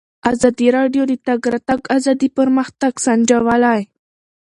ازادي راډیو د د تګ راتګ ازادي پرمختګ سنجولی.